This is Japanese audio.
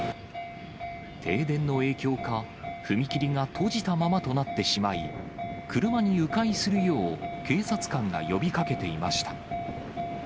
停電の影響か、踏切が閉じたままとなってしまい、車にう回するよう、警察官が呼びかけていました。